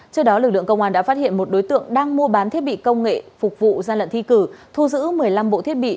trước đó lực lượng công an đã phát hiện một đối tượng đang mua bán thiết bị công nghệ phục vụ gian lận thi cử thu giữ một mươi năm bộ thiết bị